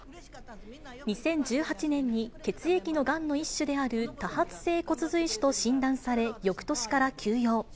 ２０１８年に血液のがんの一種である、多発性骨髄腫と診断され、よくとしから休養。